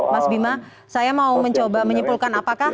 mas bima saya mau mencoba menyimpulkan apakah